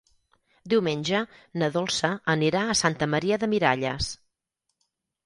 Diumenge na Dolça anirà a Santa Maria de Miralles.